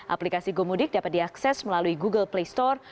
aplikasi gomudik dapat diakses melalui google play store